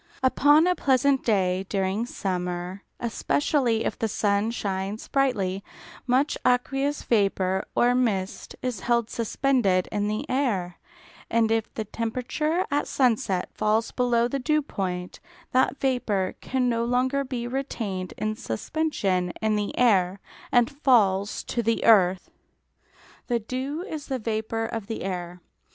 Upon a pleasant day during summer, especially if the sun shines brightly, much aqueous vapour or mist is held suspended in the air, and if the temperature at sunset falls below the dew point, that vapour can no longer be retained in suspension in the air, and falls to the earth. The dew is the vapour of the air.